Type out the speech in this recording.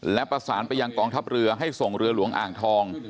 และประสานไปยังกองทัพเรือให้ส่งเรือหลวงอ่างทอง